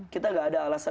kita enggak ada alasan